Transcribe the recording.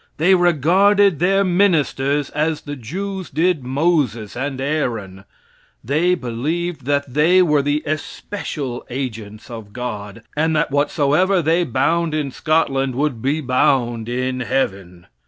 They regarded their ministers as the Jews did Moses and Aaron. They believed that they were the especial agents of God, and that whatsoever they bound in Scotland would be bound in heaven.